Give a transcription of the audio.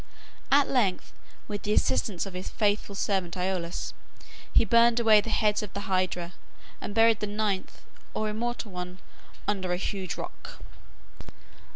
At length with the assistance of his faithful servant Iolaus, he burned away the heads of the Hydra, and buried the ninth or immortal one under a huge rock.